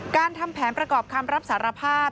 ทำแผนประกอบคำรับสารภาพ